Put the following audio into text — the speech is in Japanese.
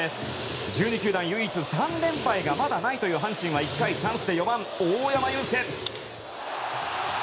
１２球団唯一３連敗がまだない阪神は１回チャンスで４番、大山悠輔。